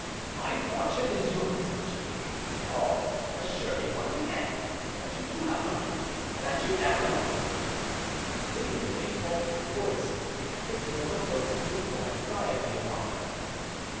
"My fortune is yours, Angelique! Oh! assure me once again that you do not love him—that you never loved him!" he pleaded in a faltering voice, fixing a look of painful anxiety upon her.